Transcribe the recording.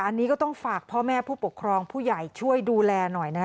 อันนี้ก็ต้องฝากพ่อแม่ผู้ปกครองผู้ใหญ่ช่วยดูแลหน่อยนะฮะ